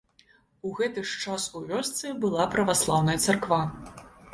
У гэты ж час у вёсцы была праваслаўная царква.